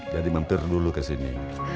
jadi mampir dulu kesini